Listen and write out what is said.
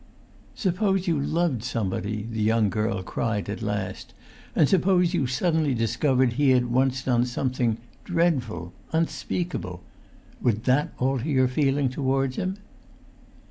"Suppose you loved somebody," the young girl cried at last; "and suppose you suddenly discovered he had once done something dreadful—unspeakable. Would that alter your feeling towards him?"